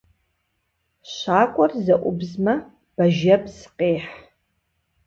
Щакӏуэр зэӏубзмэ, бажэбз къехь.